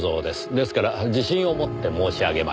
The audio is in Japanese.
ですから自信を持って申し上げました。